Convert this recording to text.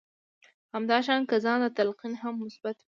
همدا شان که ځان ته تلقين هم مثبت وي.